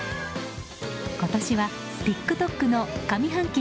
今年はＴｉｋＴｏｋの上半期